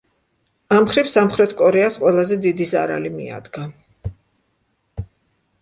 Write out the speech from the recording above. ამ მხრივ სამხრეთ კორეას ყველაზე დიდი ზარალი მიადგა.